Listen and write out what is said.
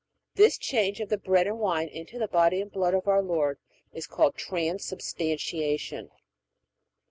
This change of the bread and wine into the body and blood of our Lord is called Transubstantiation.